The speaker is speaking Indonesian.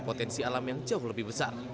potensi alam yang jauh lebih besar